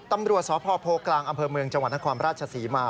ตำรวจสพโพกลางอำเภอเมืองจังหวัดนครราชศรีมา